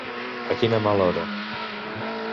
A quina mala hora.